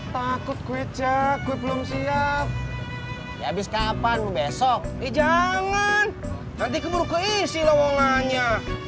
takut gue cek gue belum siap habis kapan besok jangan nanti keburu keisi loonganya